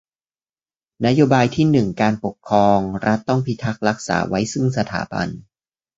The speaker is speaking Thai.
นโยบายที่หนึ่งการปกป้อง รัฐต้องพิทักษ์รักษาไว้ซึ่งสถาบัน